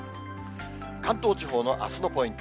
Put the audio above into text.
関東地方のあすのポイント。